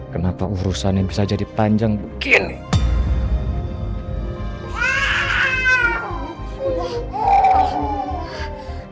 kenapa urusan ini bisa jadi panjang begini